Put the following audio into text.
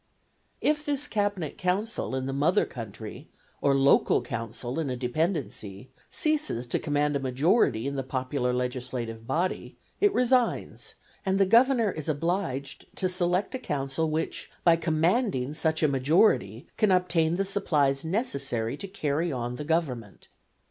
If this cabinet council in the mother country, or local council in a dependency, ceases to command a majority in the popular legislative body, it resigns, and the Governor is obliged to select a council which, by commanding such a majority, can obtain the supplies necessary to carry on the government.